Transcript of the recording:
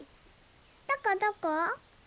どこどこ？